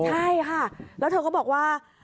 ใช่ค่ะแล้วเธอก็บอกว่า